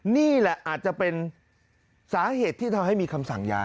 นี่แหละอาจจะเป็นสาเหตุที่ทำให้มีคำสั่งย้าย